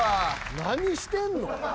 何してんの？